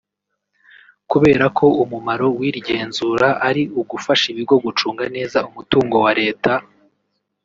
Kubera ko umumaro w’iri genzura ari ugufasha ibigo gucunga neza umutungo wa Leta